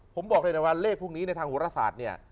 ผมบอกเลยนะว่าเลขพรุ่งนี้ในทางหุรศาสตร์